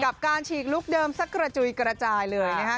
กับการฉีกลุคเดิมสักกระจุยกระจายเลยนะฮะ